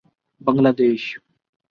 بنگلہ دیش